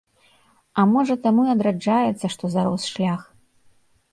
А можа, таму і адраджаецца, што зарос шлях?